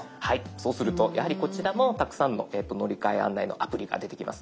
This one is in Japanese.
そうするとやはりこちらもたくさんの乗り換え案内のアプリが出てきます。